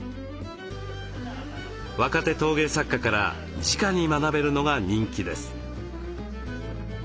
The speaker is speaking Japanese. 若手陶芸作家からじかに学べるのが人気です。